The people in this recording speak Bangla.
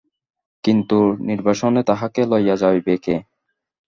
কিন্তু নির্বাসনে তাহাকে লইয়া যাইবে কে?